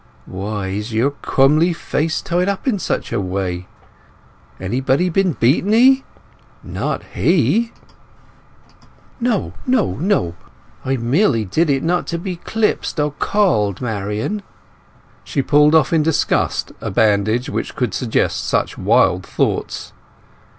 Why is your cwomely face tied up in such a way? Anybody been beating 'ee? Not he?" "No, no, no! I merely did it not to be clipsed or colled, Marian." She pulled off in disgust a bandage which could suggest such wild thoughts.